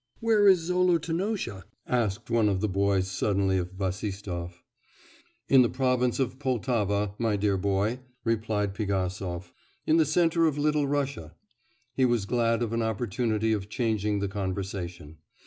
'Where is Zolotonosha?' asked one of the boys suddenly of Bassistoff. 'In the province of Poltava, my dear boy,' replied Pigasov, 'in the centre of Little Russia.' (He was glad of an opportunity of changing the conversation.)